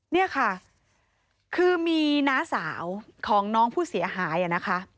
นี่ค่ะคือมีน้าสาวของน้องผู้เสียหายนะคะ